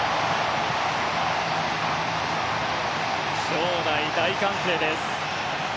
場内大歓声です。